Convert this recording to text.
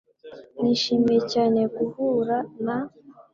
Nishimiye cyane guhura na .